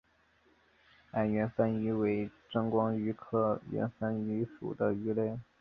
暗圆帆鱼为钻光鱼科圆帆鱼属的鱼类。